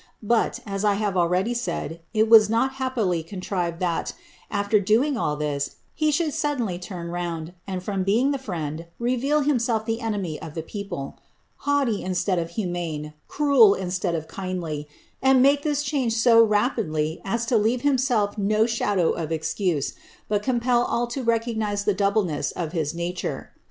But, as I have said already, it was not happily contrived that, after doing all this, he should suddenly turn round, and from being the friend, reveal himself the enemy of the people; haughty instead of humane; cruel instead of kindly; and make this change so rapidly as to leave himself no shadow of excuse, but compel all to recognize the doubleness of his nature.